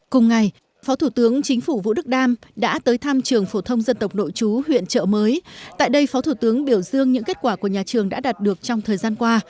cùng ngày phó thủ tướng chính phủ vũ đức đam đã tới thăm trường phổ thông dân tộc nội chú huyện trợ mới tại đây phó thủ tướng biểu dương những kết quả của nhà trường đã đạt được trong thời gian qua